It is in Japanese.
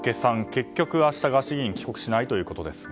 結局ガーシー議員は明日は帰国しないということですが。